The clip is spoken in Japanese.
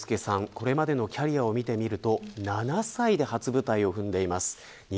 これまでのキャリアを見てみると７歳で初舞台を踏んでいます。